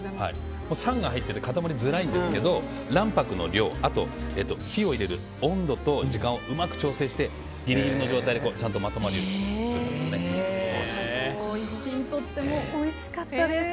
酸が入っていて固まるづらいんですけど卵白の量火を入れる温度と時間をうまく調整してギリギリの状態でまとまるようになっています。